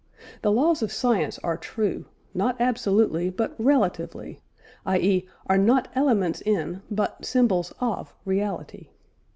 The laws of science are true, not absolutely but relatively, i.e. are not elements in, but symbols of, reality.